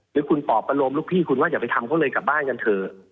หรือคุณปอบประโลมลูกพี่คุณว่าอย่าไปทำเขาเลยกลับบ้านกันเถอะ